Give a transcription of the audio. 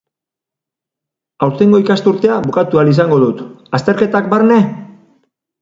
Aurtengo ikasturtea bukatu ahal izango dut, azterketak barne?